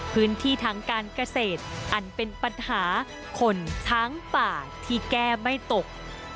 พื้นที่ทางการเกษตรอันเป็นปัญหาคนช้างป่าที่แก้ไม่ตก